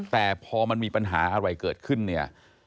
แต่พอมันมีปัญหาอะไรเกิดขึ้นเนี่ย